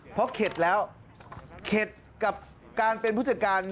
เพราะเข็ดแล้วเข็ดกับการเป็นผู้จัดการ